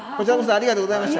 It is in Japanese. ありがとうございます。